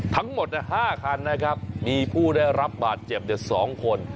ทั้งหมดห้าคันนะครับมีผู้ได้รับบาดเจ็บเดี๋ยวสองคน